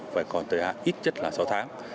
phải còn thời hạn ít nhất là sáu tháng